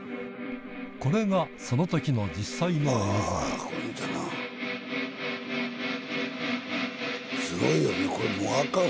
これがその時の実際の映像すごいよねこれもうアカン！